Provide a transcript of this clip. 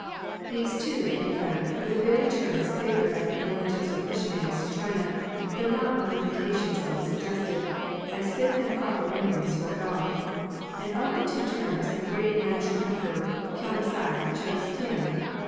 Roman These two, in fact, were the very Dissen ^ terms favoured by the early Jesuit sions. missionaries to China, though not with the limitations above suggested, as fit and proper renderings for God ; and of the two terms the great Manchu Emperor K'ang Hsi chose THen.